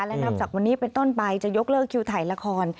และจากวันนี้ไปต้นไปจะยกเลือกคิวถ่ายละคร